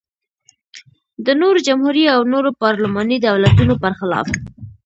د نورو جمهوري او نورو پارلماني دولتونو پرخلاف.